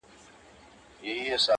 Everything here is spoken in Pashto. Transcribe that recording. گراني په تاڅه وسول ولي ولاړې ~